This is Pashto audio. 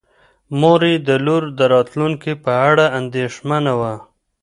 مور یې د لور د راتلونکي په اړه اندېښمنه وه.